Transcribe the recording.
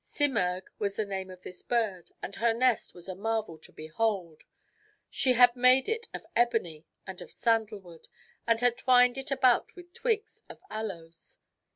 Simurgh was the name of this bird, and her nest was a marvel to behold. She had made it of ebony and of sandal wood, and had twined it about with twigs of aloes.